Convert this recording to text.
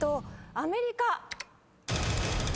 アメリカ。